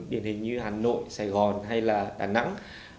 điển hình như hà nội sài gòn hay là đà nẵng